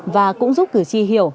và cũng giúp cử tri hiểu